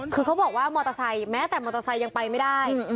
คือเขาบอกว่ามอเตอร์ไซค์แม้แต่มอเตอร์ไซค์ยังไปไม่ได้